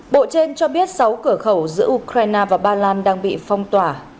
bộ trên cho biết sáu cửa khẩu giữa ukraine và ba lan đang bị phong tỏa